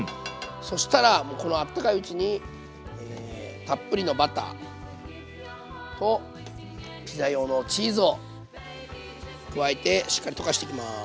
そしたらこのあったかいうちにたっぷりのバターとピザ用のチーズを加えてしっかり溶かしていきます。